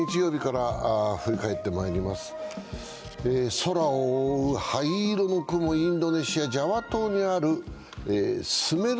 空を覆う灰色の雲、インドネシア・ジャワ島にあるスメル